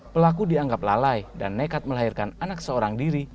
pelaku dianggap lalai dan nekat melahirkan anak seorang diri